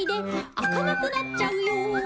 「開かなくなっちゃうよ」